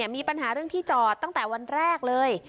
มีปัญหาเรื่องที่จอดตั้งแต่วันแรกเลย